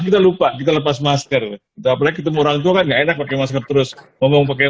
kita lupa kita lepas masker apalagi ketemu orang tua kan enggak enak pakai masker terus ngomong pakai